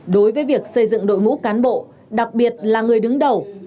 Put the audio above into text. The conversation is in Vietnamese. đối với việc xây dựng đội ngũ cán bộ đặc biệt là người đứng đầu